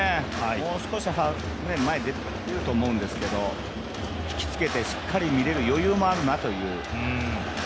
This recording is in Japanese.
もう少し前に出てくると思うんですけど引きつけてしっかり見れる余裕もあるなという。